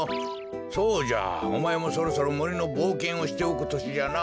そうじゃおまえもそろそろもりのぼうけんをしておくとしじゃな。